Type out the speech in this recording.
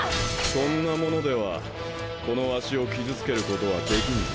そんなものではこのわしを傷つけることはできんぞ。